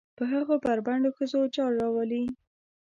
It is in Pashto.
په هغه بربنډو ښځو جال روالي.